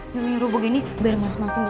menurut gue gini biar mas masin masin dia